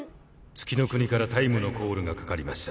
月ノ国からタイムのコールが掛かりました。